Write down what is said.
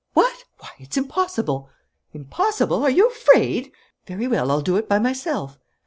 "What! Why, it's impossible!" "Impossible? Are you afraid? Very well, I'll do it by myself."